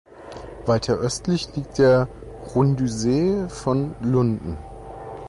Weiter östlich liegt der Runddysse von Lunden.